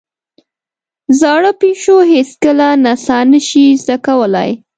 زاړه پيشو هېڅکله نڅا نه شي زده کولای.